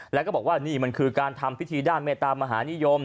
แล้วก็บอกว่านี่มันคือการทำพิธีด้านเมตามหานิยม